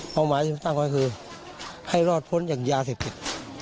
เพราะหมายตั้งไว้คือให้รอดพ้นจากยาเสพติด